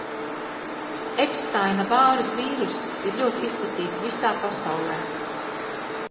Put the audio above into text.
Epstaina–Bāras vīruss ir ļoti izplatīts visā pasaulē.